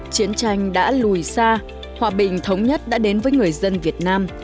chiến tranh đã lùi xa hòa bình thống nhất đã đến với người dân việt nam